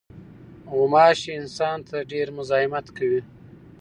غوماشې انسان ته ډېر مزاحمت کوي.